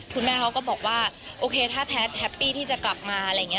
คุณแม่เขาก็บอกว่าโอเคถ้าแพทย์แฮปปี้ที่จะกลับมาอะไรอย่างนี้